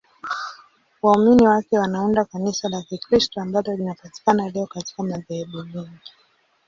Waumini wake wanaunda Kanisa la Kikristo ambalo linapatikana leo katika madhehebu mengi.